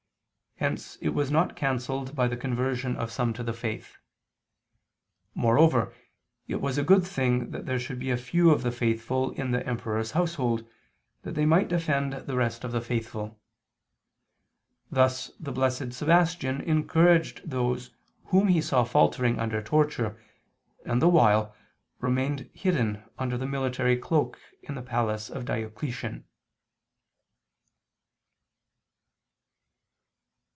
Hence it was not cancelled by the conversion of some to the faith. Moreover it was a good thing that there should be a few of the faithful in the emperor's household, that they might defend the rest of the faithful. Thus the Blessed Sebastian encouraged those whom he saw faltering under torture, and, the while, remained hidden under the military cloak in the palace of Diocletian.